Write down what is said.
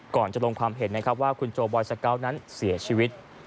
ก่อนจะลงความเห็นนะครับว่าคุณโจบอยสเกาะนั้นเสียชีวิต